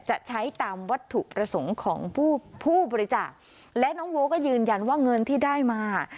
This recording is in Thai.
จะใช้ตามวัตถุประสงค์ของผู้บริจาคและน้องโบก็ยืนยันว่าเงินที่ได้มา